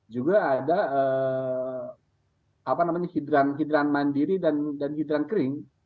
juga ada hidran hidran mandiri dan hidran kering